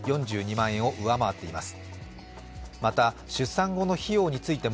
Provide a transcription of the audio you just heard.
４２万円を上回っています。